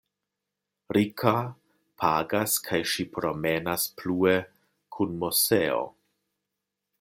Rika pagas kaj ŝi promenas plue kun Moseo.